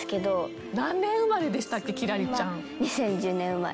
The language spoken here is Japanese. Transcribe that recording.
２０１０年生まれ。